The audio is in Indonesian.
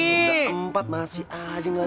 udah empat masih aja gak ada